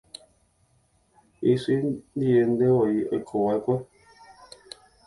Isy ndiventevoi oikovaʼekue.